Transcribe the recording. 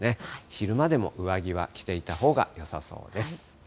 昼間でも上着は着ていたほうがよさそうです。